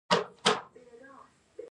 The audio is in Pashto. د ویښتو د نازکیدو لپاره کوم ماسک وکاروم؟